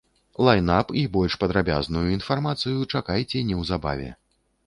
Лайн-ап і больш падрабязную інфармацыю чакайце неўзабаве.